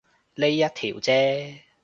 呢一條啫